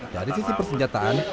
dari sisi persenjataan